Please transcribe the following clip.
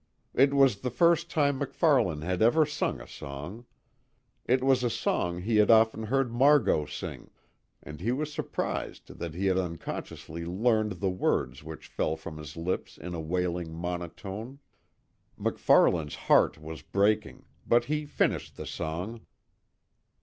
It was the first time MacFarlane had ever sung a song. It was a song he had often heard Margot sing, and he was surprised that he had unconsciously learned the words which fell from his lips in a wailing monotone. MacFarlane's heart was breaking but he finished the song.